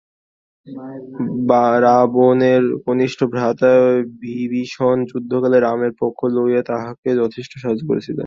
রাবণের কনিষ্ঠ ভ্রাতা বিভীষণ যুদ্ধকালে রামের পক্ষ লইয়া তাঁহাকে যথেষ্ট সাহায্য করিয়াছিলেন।